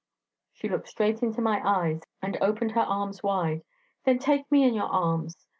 She looked straight into my eyes, and opened her arms wide. 'Then take me in your arms.'